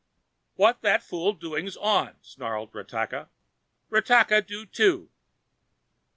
"What that fool doings on?" snarled Ratakka. "Ratakka do, too."